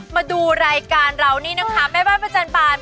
มาดูรายการเรานี่นะคะแม่บ้านประจันบาล